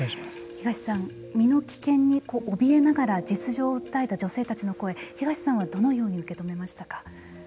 東さん身の危険におびえながら実情を訴えた女性たちの声東さんはどのように受け止めましたか。